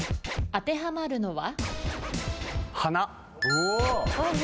当てはまるのは？